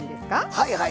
はいはい。